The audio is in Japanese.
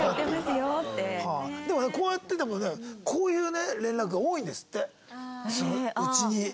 でもねこうやっててもねこういうね連絡が多いんですってうちに。